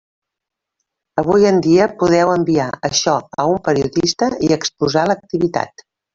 Avui en dia podeu enviar això a un periodista i exposar l'activitat.